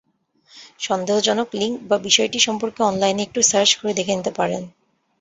সন্দেহজনক লিংক বা বিষয়টি সম্পর্কে অনলাইনে একটু সার্চ করে দেখে নিতে পারেন।